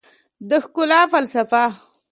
د ښکلا فلسفه